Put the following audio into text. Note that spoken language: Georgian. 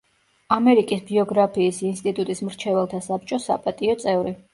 ამერიკის ბიოგრაფიის ინსტიტუტის მრჩეველთა საბჭოს საპატიო წევრი.